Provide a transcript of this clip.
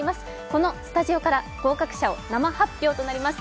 このスタジオから合格者を生発表となります。